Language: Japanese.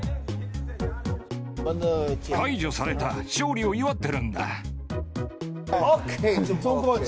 解除された、勝利を祝ってるんだ。